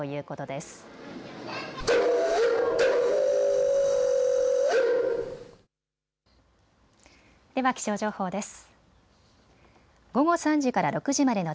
では気象情報です。